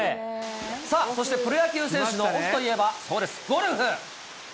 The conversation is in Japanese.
さあ、そしてプロ野球選手のオフといえば、そうです、ゴルフ。